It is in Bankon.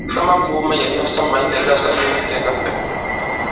Sa makūu mayěn masamà ilɛ̀gâ sa lēm itē ìna pɛ̌n.